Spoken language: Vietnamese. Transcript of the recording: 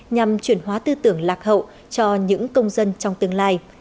nhằm chuyển hóa tư tưởng lạc hậu cho những công dân trong tương lai